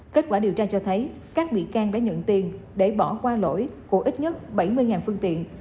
kết quả điều tra cho thấy các bị can đã nhận tiền để bỏ qua lỗi của ít nhất bảy mươi phương tiện